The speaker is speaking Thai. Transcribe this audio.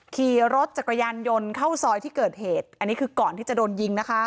ขี่รถจักรยานยนต์เข้าซอยที่เกิดเหตุอันนี้คือก่อนที่จะโดนยิงนะคะ